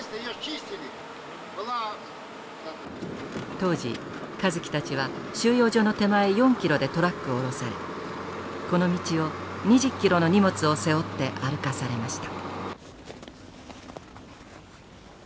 当時香月たちは収容所の手前４キロでトラックを降ろされこの道を２０キロの荷物を背負って歩かされました。